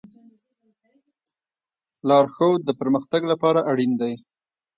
لارښود د پرمختګ لپاره اړین دی.